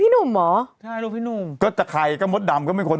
เป็นการกระตุ้นการไหลเวียนของเลือด